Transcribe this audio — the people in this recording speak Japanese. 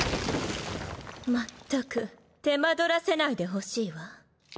まったく手間取らせないでほしいわ。